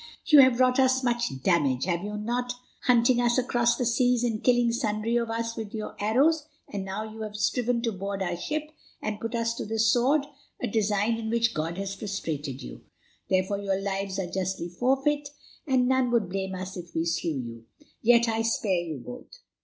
"You have wrought us much damage, have you not? hunting us across the seas, and killing sundry of us with your arrows, and now you have striven to board our ship and put us to the sword, a design in which God has frustrated you. Therefore your lives are justly forfeit, and none would blame us if we slew you. Yet I spare you both.